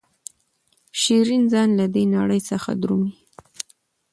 شیرین ځان له دې نړۍ څخه درومي.